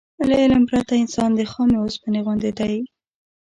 له علم پرته انسان د خامې اوسپنې غوندې دی.